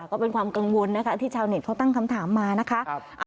ก็เป็นความกังวลนะคะที่ชาวเน็ตเขาตั้งคำถามมานะคะ